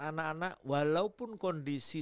anak anak walaupun kondisi